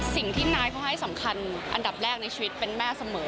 สิ่งที่นายเขาให้สำคัญอันดับแรกในชีวิตเป็นแม่เสมอ